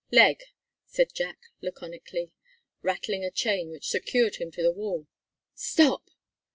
"Leg," said Jack laconically, rattling a chain which secured him to the wall. "Stop!"